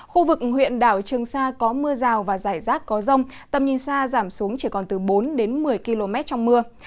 khu vực huyện đảo trường sa có mưa rào và rải rác có rông tầm nhìn xa giảm xuống chỉ còn từ bốn đến một mươi km trong mưa